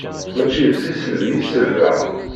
Mačči d tiselbi i selbeɣ.